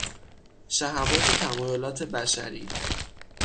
شهوات و تمایلات بشری